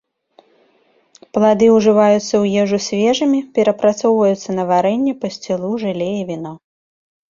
Плады ўжываюцца ў ежу свежымі, перапрацоўваюцца на варэнне, пасцілу, жэле, віно.